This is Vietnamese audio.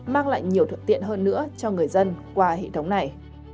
mang lại nhiều thuận tiện hơn nữa cho người dân qua hệ thống này